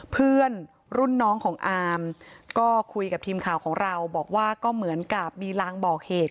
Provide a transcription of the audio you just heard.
เพื่อนรุ่นน้องของอามก็คุยกับทีมข่าวของเราบอกว่าก็เหมือนกับมีลางบอกเหตุ